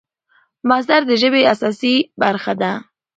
مصدر د ژبي اساسي برخه ده.